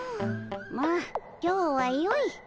まあ今日はよい。